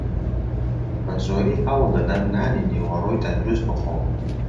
بەزۆری هەوڵدەدەم نانی نیوەڕۆی تەندروست بخۆم.